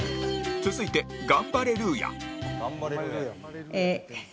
続いてガンバレルーヤええー